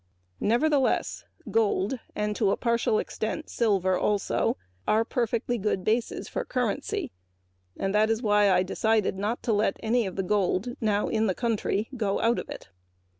Nevertheless, gold, and to a partial extent silver, are perfectly good bases for currency and that is why I decided not to let any of the gold now in the country go out of it.